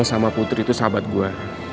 lo sama putri tuh sahabat gue